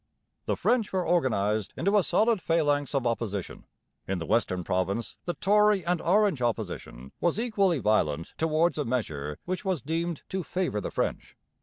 The French were organized into a solid phalanx of opposition. In the western province the Tory and Orange opposition was equally violent towards a measure which was deemed to favour the French.